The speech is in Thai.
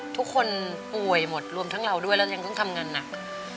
ทุกคนป่วยหมดรวมทั้งเราด้วยแล้วยังต้องทำงานหนัก